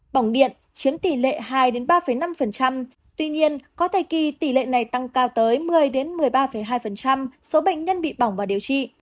bỏng điện chiếm tỷ lệ hai ba năm tuy nhiên có thời kỳ tỷ lệ này tăng cao tới một mươi một mươi ba hai số bệnh nhân bị bỏng và điều trị